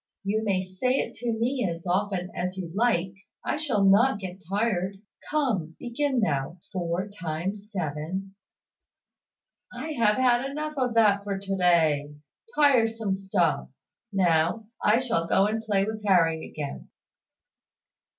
You may say it to me as often as you like. I shall not get tired. Come, begin now `four times seven' " "I have had enough of that for to day tiresome stuff! Now, I shall go and play with Harry again."